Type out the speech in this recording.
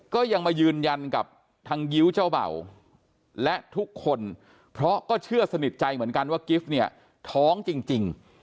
ก็ยังมายืนยันกับทางยิ้วเจ้าเบ่าและทุกคนเพราะก็เชื่อสนิทใจเหมือนกันว่ากิฟต์เนี่ยท้องจริง